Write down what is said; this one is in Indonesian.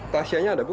tasya ada bu